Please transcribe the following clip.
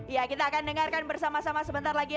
ya kita akan dengarkan bersama sama sebentar lagi